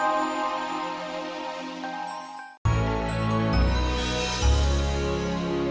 berita terkini mengenai cuaca ekstrem dua ribu dua puluh satu